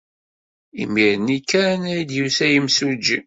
Imir-nni kan ay d-yusa yimsujji.